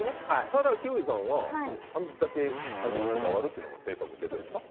ただ休井さんはあんだけ採点にこだわるというのも性格に出てるんですか？